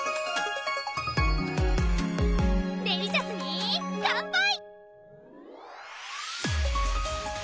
デリシャスに乾杯！